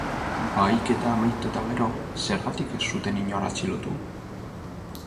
Bahiketa amaitu eta gero, zergatik ez zuten inor atxilotu?